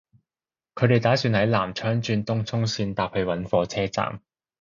佢哋打算喺南昌轉東涌綫搭去搵火車站